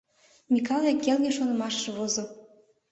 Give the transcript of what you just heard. Микале келге шонымашыш возо.